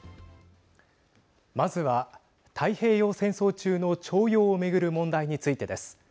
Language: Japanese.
まずは太平洋戦争中の徴用を巡る問題についてです。